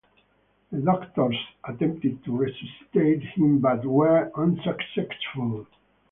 The doctors attempted to resuscitate him but were unsuccessful.